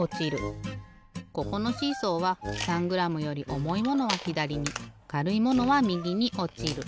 ここのシーソーは３グラムより重いものはひだりにかるいものはみぎにおちる。